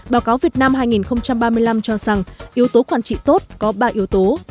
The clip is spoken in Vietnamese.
báo cáo việt nam hai nghìn ba mươi năm cho rằng yếu tố quản trị tốt có ba yếu tố